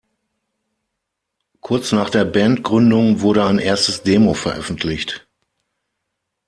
Kurz nach der Bandgründung wurde ein erstes Demo veröffentlicht.